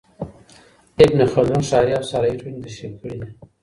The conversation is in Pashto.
ابن خلدون ښاري او صحرايي ټولني تشرېح کړې دي.